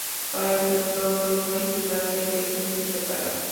কয়েকজন লোক ঐ মহিলাকে দেখেই চিনতে পারে।